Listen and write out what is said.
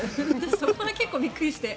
そこが結構びっくりして。